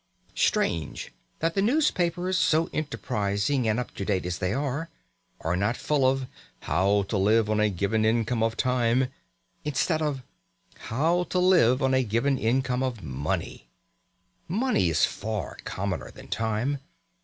Strange that the newspapers, so enterprising and up to date as they are, are not full of "How to live on a given income of time," instead of "How to live on a given income of money"! Money is far commoner than time.